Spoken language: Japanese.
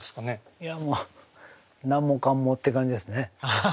いやもう何もかんもって感じですね。